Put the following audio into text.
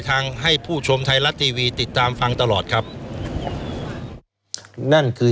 ทางให้ผู้ชมไทยรัฐทีวีติดตามฟังตลอดครับนั่นคือ